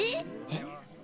えっ。